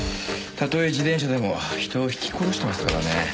たとえ自転車でも人をひき殺してますからね。